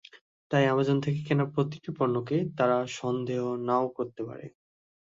তাই আমাজন থেকে কেনা প্রতিটি পণ্যকে তাঁরা সন্দেহ নাও করতে পারে।